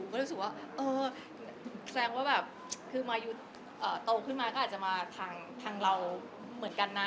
ก็รู้สึกว่าเออแสดงว่าแบบคือมายุทธ์โตขึ้นมาก็อาจจะมาทางเราเหมือนกันนะ